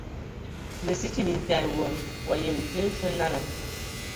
Mə sə kig mintag ai wa, wa yəm tə fə nala.